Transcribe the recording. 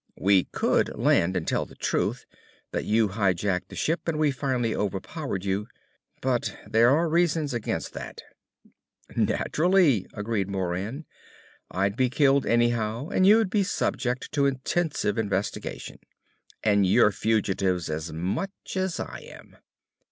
We could land and tell the truth, that you hijacked the ship and we finally overpowered you. But there are reasons against that." "Naturally!" agreed Moran. "I'd be killed anyhow and you'd be subject to intensive investigation. And you're fugitives as much as I am."